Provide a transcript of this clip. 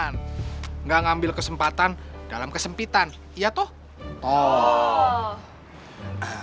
nggak ngambil kesempatan dalam kesempitan iya toh toh